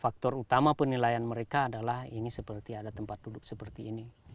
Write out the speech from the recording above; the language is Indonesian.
faktor utama penilaian mereka adalah ini seperti ada tempat duduk seperti ini